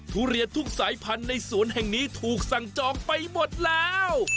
ทุเรียนทุกสายพันธุ์ในสวนแห่งนี้ถูกสั่งจองไปหมดแล้ว